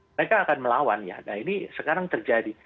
mereka akan melawan ya nah ini sekarang terjadi